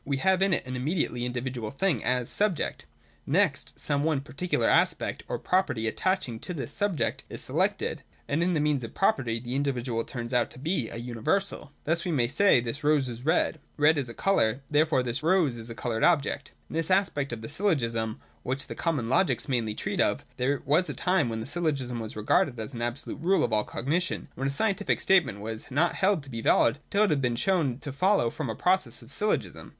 We have in it an immediately individual thing as subject : next some one particular aspect or property attaching to this subject is selected, and by means of this property the individual turns out to be a universal. Thus we may say, This rose is red : Red is a 3i8 THE DOCTRINE OF THE NOTION. [183,184. colour : Therefore, this rose is a coloured object. It is this aspect of the syllogism which the common logics mainly treat of. There was a time when the syllogism was regarded as an absolute rule for all cognition, and when a scientific statement was not held to be valid until it had been shown to follow from a process of syllogism.